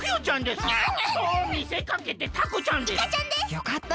よかった！